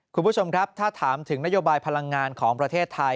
คุณผู้ชมครับถ้าถามถึงนโยบายพลังงานของประเทศไทย